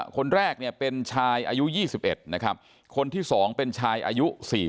คนแรกเป็นชายอายุ๒๑คนที่๒เป็นชายอายุ๔๐